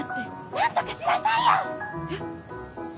なんとかしないと。